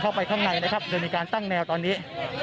เข้าไปข้างในนะครับโดยมีการตั้งแนวตอนนี้